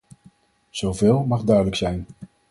Zoveel mag duidelijk zijn.